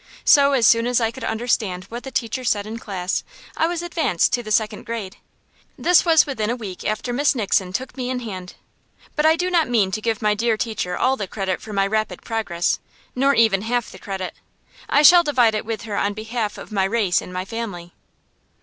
So as soon as I could understand what the teacher said in class, I was advanced to the second grade. This was within a week after Miss Nixon took me in hand. But I do not mean to give my dear teacher all the credit for my rapid progress, nor even half the credit. I shall divide it with her on behalf of my race and my family.